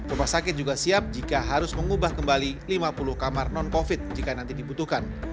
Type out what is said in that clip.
rumah sakit juga siap jika harus mengubah kembali lima puluh kamar non covid jika nanti dibutuhkan